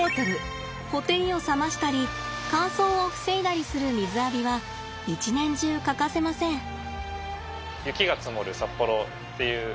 ほてりを冷ましたり乾燥を防いだりする水浴びは一年中欠かせません。